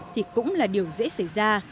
thì cũng là điều dễ xảy ra